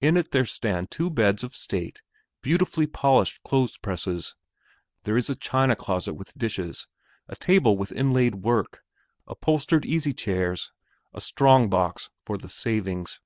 In it there stand two beds of state, beautifully polished clothes presses; there is a china closet with dishes, a table with inlaid work, upholstered easy chairs, a strong box for the savings.